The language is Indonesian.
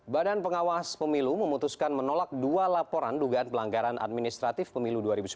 badan pengawas pemilu memutuskan menolak dua laporan dugaan pelanggaran administratif pemilu dua ribu sembilan belas